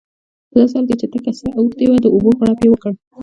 په داسې حال کې چې تکه سره اوښتې وه د اوبو غړپ یې وکړ.